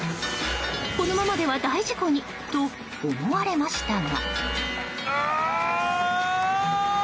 このままでは大事故に！と思われましたが。